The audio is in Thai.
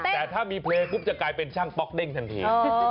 แต่ถ้ามีเพลงปุ๊บจะกลายเป็นช่างป๊อกเด้งทันที